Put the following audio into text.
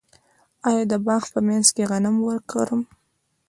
آیا د باغ په منځ کې غنم وکرم؟